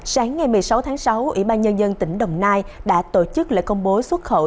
sáng ngày một mươi sáu tháng sáu ủy ban nhân dân tỉnh đồng nai đã tổ chức lễ công bố xuất khẩu